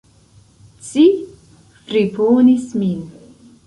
Ci friponis min!